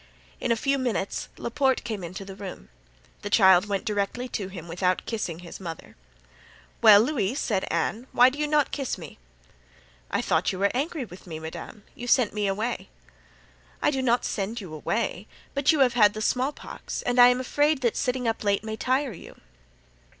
In a few minutes Laporte came into the room. The child went directly to him without kissing his mother. "Well, Louis," said Anne, "why do you not kiss me?" "I thought you were angry with me, madame; you sent me away." "I do not send you away, but you have had the small pox and I am afraid that sitting up late may tire you."